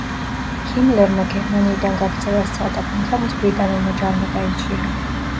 ჰიმლერმა გერმანიიდან გაქცევა სცადა, მაგრამ ის ბრიტანულმა ჯარმა დაიჭირა.